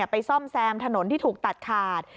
ซ่อมแซมถนนที่ถูกตัดขาด